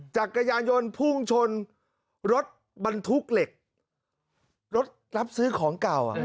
จักรยานยนต์พุ่งชนรถบรรทุกเหล็กรถรับซื้อของเก่า